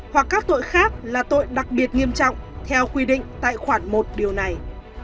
hoặc các tội khác là tội đặc biệt nghiêm trọng theo quy định tại khoản một điều này